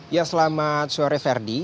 ya selamat sore ferdi